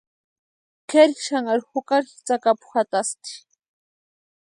Kʼeri xanharu jukari tsakapu jatasti.